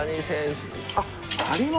あっ。